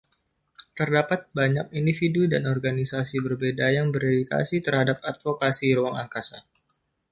Terdapat banyak individu dan organisasi berbeda yang berdedikasi terhadap advokasi ruang angkasa.